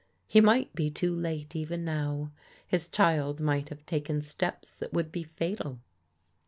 He might be too late even now. His child might have taken steps that would be fatal.